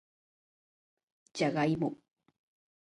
じゃがいも